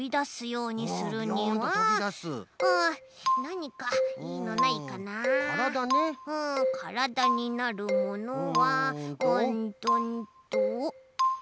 うんからだになるものはうんとうんとあっ！